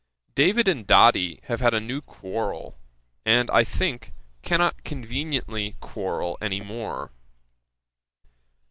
David and Doddy have had a new quarrel, and, I think, cannot conveniently quarrel any more.